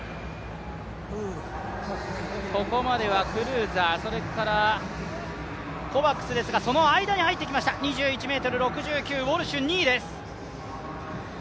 ここまではクルーザー、それから、コバクスですが、その間に入ってきました２１ｍ６９、ウォルシュ２位です。